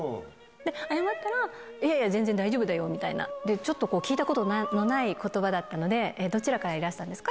謝ったら、いやいや、全然大丈夫だよみたいな、ちょっと聞いたことのないことばだったので、どちらからいらしたんですか？